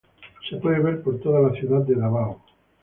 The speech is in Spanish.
Se puede ver por toda la ciudad de Davao.